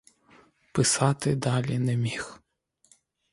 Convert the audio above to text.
Писати далі не міг.